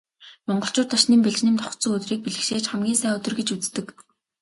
Монголчууд Дашням, Балжинням давхацсан өдрийг бэлгэшээж хамгийн сайн өдөр гэж үздэг.